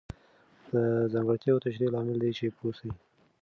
د ځانګړتیاوو تشریح لامل دی چې پوه سئ.